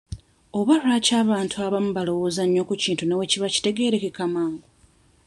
Oba lwaki abantu abamu balowooza nnyo ku kintu ne bwe kiba kitegeerekeka mangu?